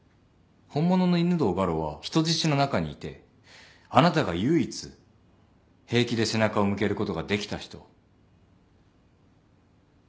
本物の犬堂ガロは人質の中にいてあなたが唯一平気で背中を向けることができた人。